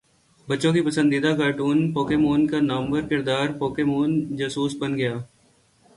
بچوں کے پسندیدہ کارٹون پوکیمون کا نامور کردار پکاچو جاسوس بن گیا